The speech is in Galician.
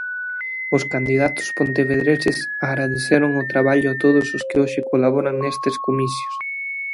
Os candidatos pontevedreses agradeceron o traballo a todos os que hoxe colaboran nestes comicios.